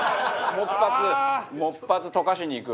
もう一発、溶かしにいく。